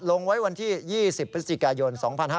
ลงไว้วันที่๒๐ประสิทธิกายน๒๕๔๔